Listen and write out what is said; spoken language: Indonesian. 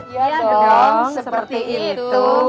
iya dong seperti itu